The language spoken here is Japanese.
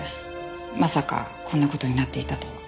まさかこんな事になっていたとは。